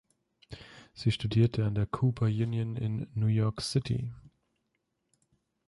Sie studierte an der Cooper Union in New York City.